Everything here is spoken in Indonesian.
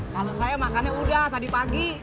kalau saya makannya udah tadi pagi